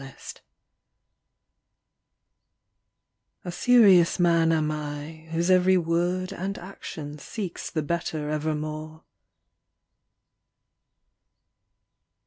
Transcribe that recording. Ill A SERIOUS man am I, whose every word And action seeks the Better evermore.